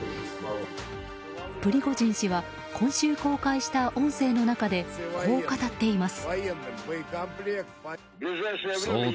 プリゴジン氏は今週、公開した音声の中でこう語っています。